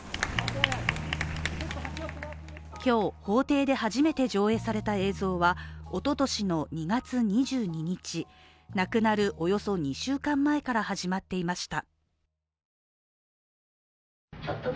今日、法廷で初めて上映された映像はおととしの２月２２日、亡くなるおよそ２週間前から始まっていました。